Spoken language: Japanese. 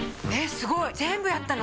すごい全部やったの？